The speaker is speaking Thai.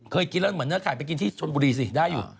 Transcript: เคยกินแล้วเหมือนเนื้อไข่ไปกินที่ชนบุรีสิได้อยู่